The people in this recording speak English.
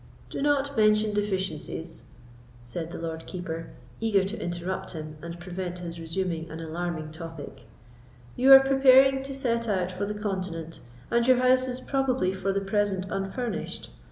"Do not mention deficiencies," said the Lord Keeper, eager to interrupt him and prevent his resuming an alarming topic; "you are preparing to set out for the Continent, and your house is probably for the present unfurnished.